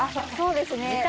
そうですね。